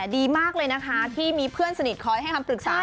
ดีมากเลยนะคะที่มีเพื่อนสนิทคอยให้คำปรึกษา